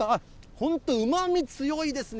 本当うまみ強いですね。